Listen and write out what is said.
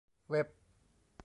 เว็บ